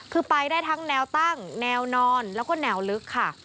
คือไปได้ทั้งแนวตั้งแนวนอนแล้วก็แนวลึกค่ะ